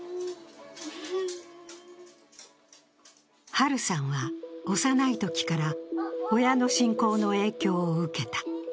ハルさんは、幼いときから親の信仰の影響を受けた。